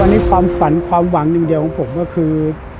อย่างนึงความฝันความหวังหนึ่งเดียวของผมก็คือ